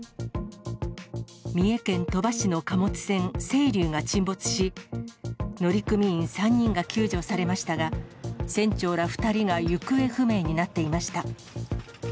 三重県鳥羽市の貨物船、せいりゅうが沈没し、乗組員３人が救助されましたが、船長ら２人が行方不明になっていました。